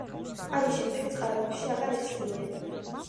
ამის შემდეგ წყაროებში აღარ იხსენიება.